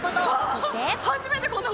そして